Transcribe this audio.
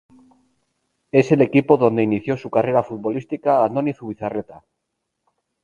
Es el equipo donde inició su carrera futbolística Andoni Zubizarreta.